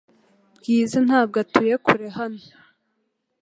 Bwiza ntabwo atuye kure hano .